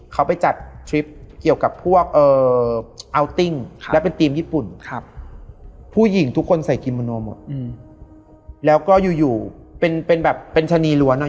ใครอะใครตามมา